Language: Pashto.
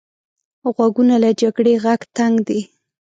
غوږونه له جګړې غږ تنګ دي